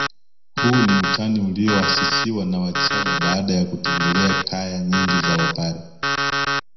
Huu ni utani ulioasisiwa na wachagga baada ya kutembelea kaya nyingi za wapare